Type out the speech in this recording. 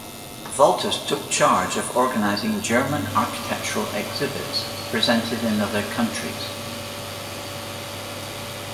Wolters took charge of organizing German architectural exhibits presented in other countries.